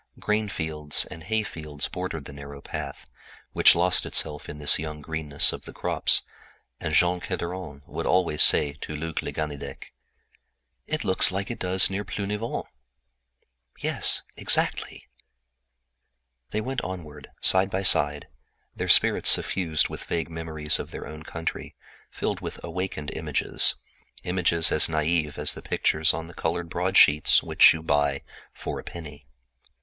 Grainfields and hayfields bordered the narrow path, which lost itself in the young greenness of the crops, and Jean Kerderen would always say to Luc le Ganidec: "It looks like it does near Plounivon." "Yes; exactly." Side by side they strolled, their souls filled with vague memories of their own country, with awakened images as naive as the pictures on the colored broadsheets which you buy for a penny.